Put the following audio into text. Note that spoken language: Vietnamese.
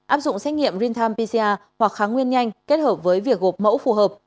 áp dụng xét nghiệm rintam pcr hoặc kháng nguyên nhanh kết hợp với việc gộp mẫu phù hợp